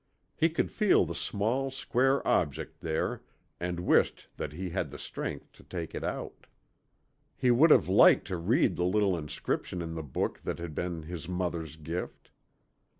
He could feel the small square object there, and wished that he had the strength to take it out. He would have liked to read the little inscription in the book that had been his mother's gift.